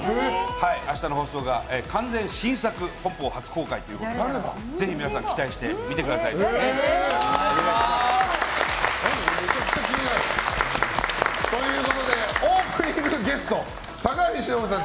明日の放送が完全新作本邦初公開ということなのでぜひ皆さん期待して見てください。ということでオープニングゲスト、坂上忍さん